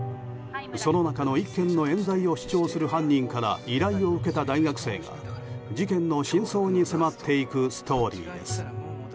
その中の１件の冤罪を主張する犯人から依頼を受けた大学生が事件の真相に迫っていくストーリーです。